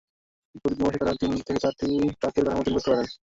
প্রতি দুই মাসে তাঁরা তিন থেকে চারটি ট্রাকের কাঠামো তৈরি করতে পারেন।